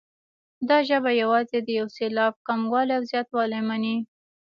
دا ژبه یوازې د یو سېلاب کموالی او زیاتوالی مني.